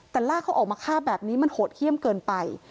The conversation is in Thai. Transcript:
แต่ลากเขาออกมาฆ่าแบบนี้มันโหดเยี่ยมเกินไป